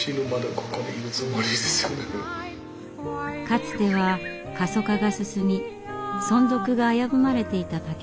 かつては過疎化が進み存続が危ぶまれていた竹所。